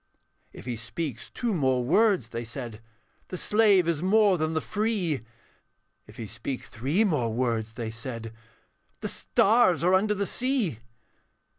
'If he speak two more words,' they said, 'The slave is more than the free; If he speak three more words,' they said, 'The stars are under the sea.'